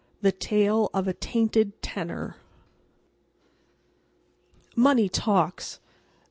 THE TALE OF A TAINTED TENNER Money talks.